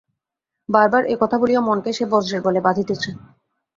বার বার ওই কথা বলিয়া মনকে সে বজ্রের বলে বাঁধিতেছে।